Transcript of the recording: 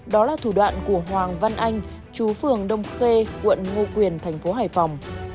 đó là thủ đoạn của hoàng văn anh chú phường đông khê quận ngo quyền thành phố hải phòng